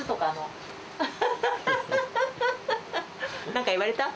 なんか言われた？